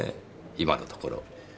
今のところ。